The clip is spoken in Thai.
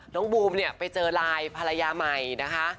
น้องบูมนี่ไปเจอรายภรรยาใหม่นะคะ